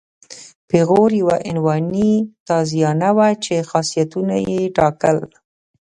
پیغور یوه عنعنوي تازیانه وه چې خاصیتونه یې ټاکل.